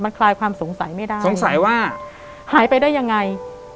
คลายความสงสัยไม่ได้สงสัยว่าหายไปได้ยังไง